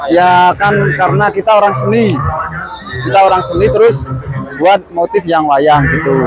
ya kan karena kita orang seni kita orang seni terus buat motif yang wayang gitu